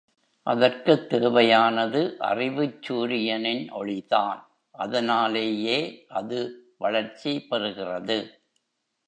அதற்குத் தேவையானது அறிவுச் சூரியனின் ஒளிதான் அதனாலேயே அது வளர்ச்சி பெறுகிறது.